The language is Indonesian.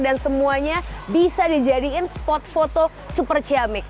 dan semuanya bisa dijadiin spot foto super ciamik